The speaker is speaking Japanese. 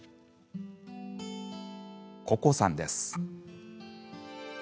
ここさんです。